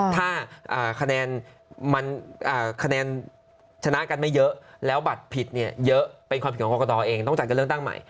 ถ้าคะแนนมันคะแนนชนะกันไม่เยอะแล้วบัตรผิดเนี่ยเยอะเป็นความผิดของกรกตเองต้องจัดการเลือกตั้งใหม่